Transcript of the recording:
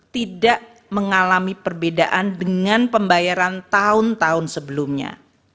tidak mengalami perbedaan dengan pembayaran tahun tahun sebelumnya